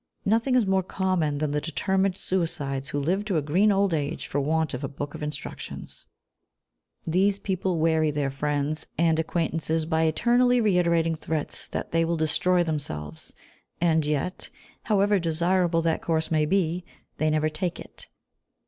Nothing is more common than the determined suicides who live to a green old age for want of a book of instructions. These people weary their friends and acquaintances by eternally reiterated threats that they will destroy themselves, and yet, however desirable that course may be, they never take it.